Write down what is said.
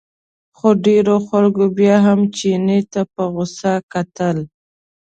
خو ډېرو خلکو بیا هم چیني ته په غوسه کتل.